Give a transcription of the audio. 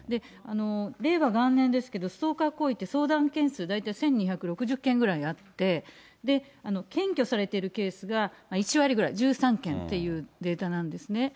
令和元年ですけど、ストーカー行為って、相談件数、大体１２６０件ぐらいあって、検挙されているケースが１割ぐらい、１３件というデータなんですね。